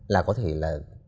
là có thể là